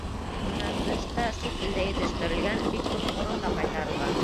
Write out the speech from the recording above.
Бынан тыш та сит илдә етештерелгән бик күп ҡоролма ҡайтарылған.